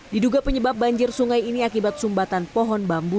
diduga penyebab banjir sungai ini akibat sumbatan pohon bambu